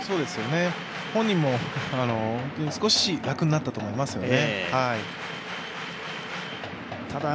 本人も少し楽になったと思いますよね。